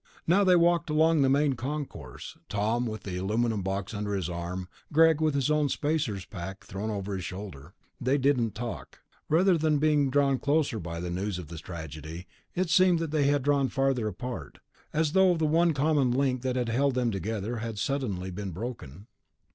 Now they walked along the Main Concourse, Tom with the aluminum box under his arm, Greg with his own spacer's pack thrown over his shoulder. They didn't talk; rather than being drawn closer by the news of the tragedy, it seemed that they had drawn farther apart, as though the one common link that had held them together had suddenly been broken.